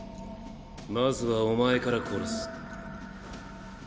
まずはお前から祓す。